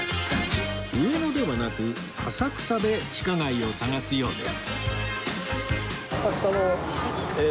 上野ではなく浅草で地下街を探すようです